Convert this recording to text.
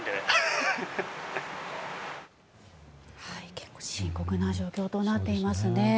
結構、深刻な状況となっていますね。